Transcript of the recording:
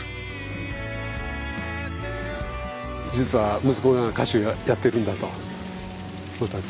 実は息子が歌手やってるんだと。